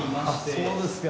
そうですか。